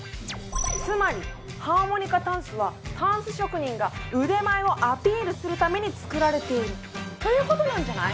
つまりハーモニカタンスはタンス職人が腕前をアピールするために作られているということなんじゃない？